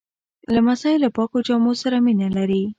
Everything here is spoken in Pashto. لمسی له پاکو جامو سره مینه لري.